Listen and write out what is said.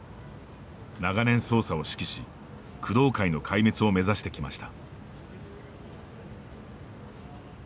長年捜査を指揮し工藤会の壊滅を目指してきました。